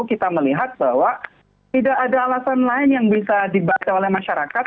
kita melihat bahwa tidak ada alasan lain yang bisa dibaca oleh masyarakat